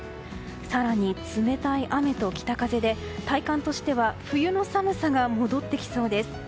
更に、冷たい雨と北風で体感としては冬の寒さが戻ってきそうです。